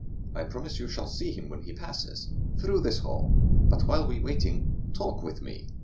I promise you shall see him when he passes Through this hall. But while waiting, talk with me!